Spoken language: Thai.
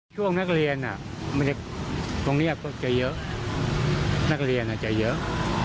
ช่วงนักเรียนน่ะมันจะตรงเนี้ยก็จะเยอะนักเรียนน่ะจะเยอะ